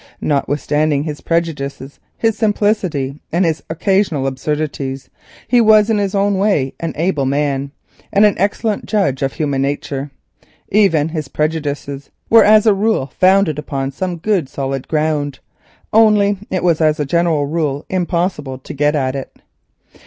Notwithstanding his prejudices, his simplicity, and his occasional absurdities, he was in his own way an able man, and an excellent judge of human nature. Even his prejudices were as a rule founded upon some solid ground, only it was as a general rule impossible to get at it.